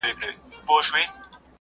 ملي هویت سره په تضاد کي طرحه سوي دي. د